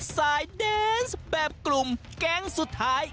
แดนส์แบบกลุ่มแก๊งสุดท้าย